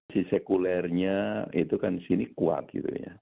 si sekulernya itu kan sini kuat gitu ya